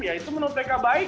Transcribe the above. ya itu menurut mereka baik